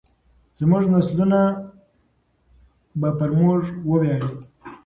زموږ نسلونه به پر موږ وویاړي.